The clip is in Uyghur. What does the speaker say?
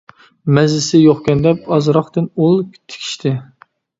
مەززىسى يوقكەن دەپ ئازراقتىن ئۇل تىكىشتى.